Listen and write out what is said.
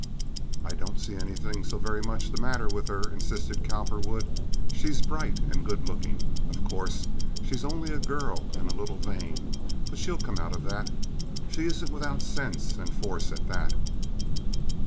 "I don't see anything so very much the matter with her," insisted Cowperwood. "She's bright and good looking. Of course, she's only a girl, and a little vain, but she'll come out of that. She isn't without sense and force, at that."